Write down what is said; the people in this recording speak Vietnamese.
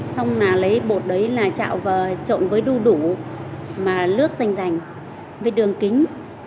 xong lấy bột đấy là chạo và trộn với đu đủ lước danh danh với đường kính